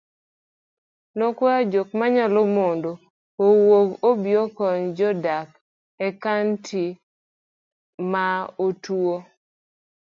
nokwayo jokmanyalo mondo owuog obiokony jodak ekaonti ma otuwo